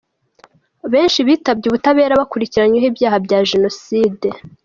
Benshi bitabye ubutabera bakurikiranweho ibyaha bya Jenoside.